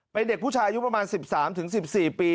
เป็นเด็กผู้ชายอายุประมาณ๑๓๑๔ปี